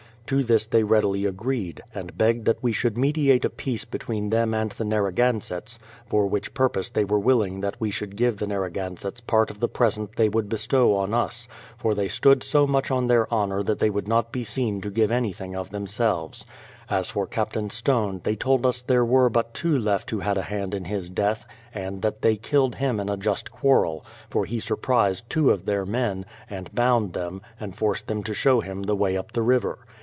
To this they readily agreed ; and begged that we should mediate a peace between them and the Narra gansetts, for which purpose they were willing that we should give the Narragansetts part of the present they would bestow on us, — THE PLYMOUTH SETTLEMENT 281 for they stood so much on their honour that they would not be seen to give anything of themselves. As for Captain Stone, they told us there were but two left who had a hand in his death and that the} killed him in a just quarrel, for he surprised two of their men, and bound them, and forced them to show him the way up the river.